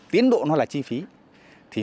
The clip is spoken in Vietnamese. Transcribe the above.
tiến độ là chi phí